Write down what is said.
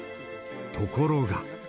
ところが。